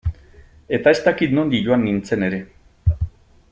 Eta ez dakit nondik joan nintzen ere.